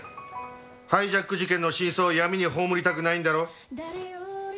ハイジャック事件の真相を闇に葬りたくないんだろ？